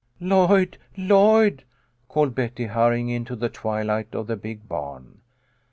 " Lloyd, Lloyd !" called Betty, hurrying into the twilight of the big barn.